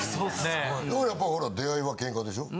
だからやっぱりほら出会いは喧嘩でしょ？